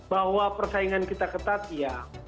bahwa persaingan kita ketat ya